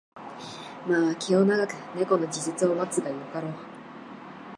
まあ気を永く猫の時節を待つがよかろう